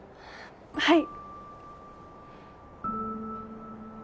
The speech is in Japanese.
はい。